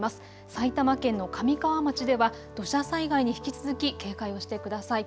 埼玉県の神川町では土砂災害に引き続き警戒をしてください。